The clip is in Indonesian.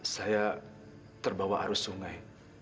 saya terbawa arus sungai